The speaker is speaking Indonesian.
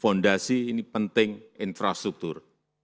fondasi ini penting infrastruktur